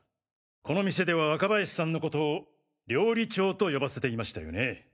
この店では若林さんのことを料理長と呼ばせていましたよね。